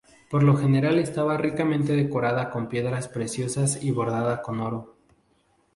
Por lo general estaba ricamente decorada con piedras preciosas y bordada con oro.